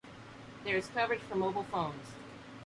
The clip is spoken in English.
There is coverage for mobile phones.